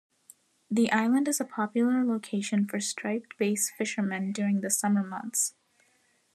The island is a popular location for striped bass fishermen during the summer months.